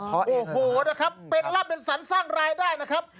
อ๋อเหรอเพราะเองนะครับโอ้โหนะครับเป็นรับเป็นสรรสร้างรายได้นะครับ